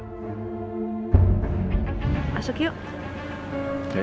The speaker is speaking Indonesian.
besok saya selidiki lagi ya pak